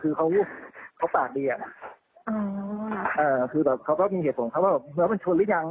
คือเขาเขาปากดีอ่ะอ๋ออ๋อคือแบบเขามีเหตุผลเขาบอกว่าแล้วมันชนหรือยัง